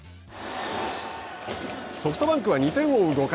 ソフトバンクは２点を追う５回。